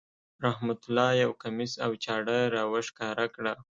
رحمت الله یو کمیس او چاړه را وښکاره کړه.